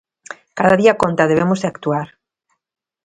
Cada día conta, debemos de actuar.